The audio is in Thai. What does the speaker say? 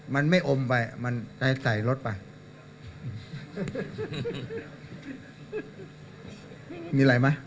มันไม่อมไปมันใส่รถไป